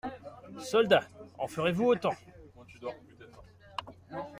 Soldats, en ferez-vous autant?